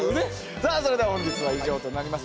さあそれでは本日は以上となります。